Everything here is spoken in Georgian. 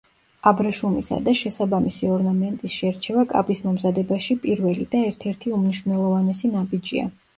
აბრეშუმისა და შესაბამისი ორნამენტის შერჩევა კაბის მომზადებაში პირველი და ერთ-ერთი უმნიშვნელოვანესი ნაბიჯია.